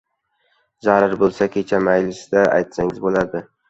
— Zaril bo‘lsa, kecha maylisda aytsangiz bo‘lardi.